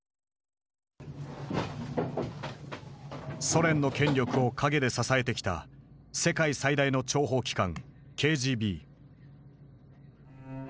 ソ連の権力を陰で支えてきた世界最大の諜報機関ＫＧＢ。